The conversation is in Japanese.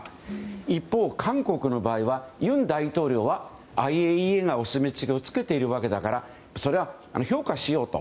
一方、韓国の場合は尹大統領はＩＡＥＡがお墨付きをつけているわけだからそれは評価しようと。